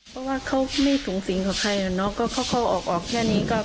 เพราะว่าเขาไม่สูงสิงกับใครอ่ะเนาะก็เขาเข้าออกแค่นี้ก็